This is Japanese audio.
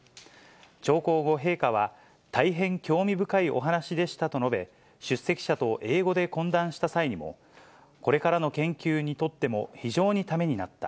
聴講後、陛下は、大変興味深いお話でしたと述べ、出席者と英語で懇談した際にも、これからの研究にとっても非常にためになった。